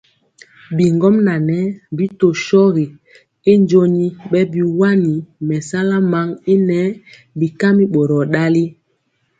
Bigɔmŋa ŋɛɛ bi tɔ shogi y joni bɛ biwani mɛsala man y nɛɛ bɛkami boror ndali.